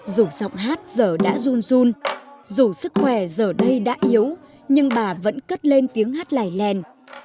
những câu hát giờ đã run run dù sức khỏe giờ đây đã yếu nhưng bà vẫn cất lên tiếng hát lải lèn